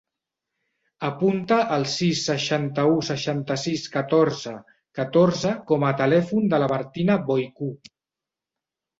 Apunta el sis, seixanta-u, seixanta-sis, catorze, catorze com a telèfon de la Martina Voicu.